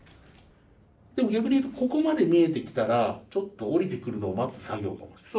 でも逆に言うとここまで見えてきたらちょっと降りてくるのを待つ作業かもしれない。